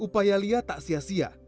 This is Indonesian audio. upaya lia tak sia sia